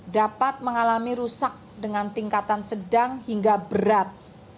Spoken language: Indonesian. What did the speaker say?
dapat mengalami rusak dengan tingkatan sedang hingga berat